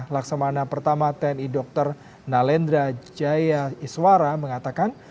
laksamana pertama tni dr nalendra jaya iswara mengatakan